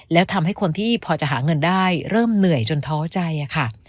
แล้วทำให้คนที่พอจะหาเงินได้เริ่มเหนื่อยจนท้อใจค่ะ